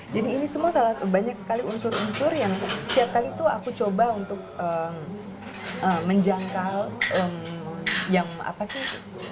jadi ini semua banyak sekali unsur unsur yang setiap kali itu aku coba untuk menjangkau yang apa sih